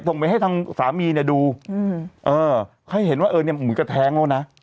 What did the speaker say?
ส่งไปให้ทางสามีเนี่ยดูเออให้เห็นว่าเออเนี่ยเหมือนกับแท้งแล้วนะ